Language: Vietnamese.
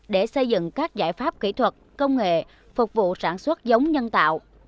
để xây dựng các giải pháp kỹ thuật công nghệ phục vụ sản xuất giống nhân tạo